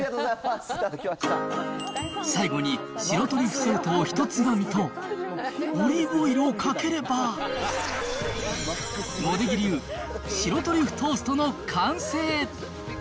最後に、白トリュフソルトをひとつまみと、オリーブオイルをかければ、茂出木流白トリュフトーストの完成。